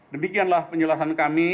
demikianlah penjelasan kami